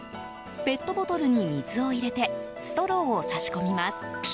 ペットボトルに水を入れてストローを差し込みます。